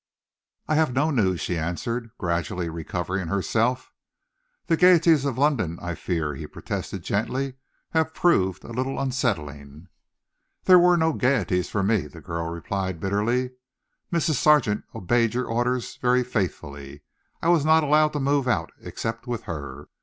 "I have no news," she answered, gradually recovering herself. "The gaieties of London, I fear," he protested gently, "have proved a little unsettling." "There were no gaieties for me," the girl replied bitterly. "Mrs. Sargent obeyed your orders very faithfully. I was not allowed to move out except with her."